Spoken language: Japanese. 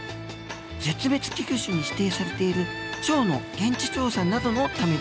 絶滅危惧種に指定されているチョウの現地調査などのためです。